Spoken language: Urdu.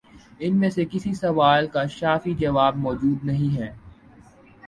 ان میں سے کسی سوال کا شافی جواب مو جود نہیں ہے۔